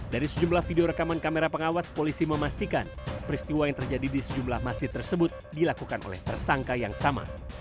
dari sejumlah video rekaman kamera pengawas polisi memastikan peristiwa yang terjadi di sejumlah masjid tersebut dilakukan oleh tersangka yang sama